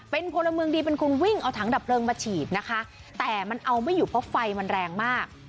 เป็นพลเมืองดีเป็นคนวิ่งเอาถังดับเพลิงมาฉีดนะคะแต่มันเอาไม่อยู่เพราะไฟมันแรงมาก